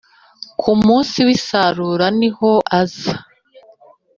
ku munsi w ‘isarura niho aza.